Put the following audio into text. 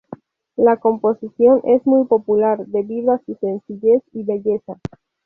La composición es muy popular debido a su sencillez y belleza.